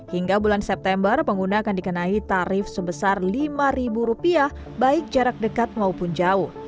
hingga bulan september pengguna akan dikenai tarif sebesar rp lima baik jarak dekat maupun jauh